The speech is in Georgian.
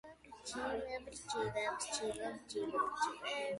მიუხედავად ზეწოლისა, მან შეძლო დანაშაულის გამოძიება.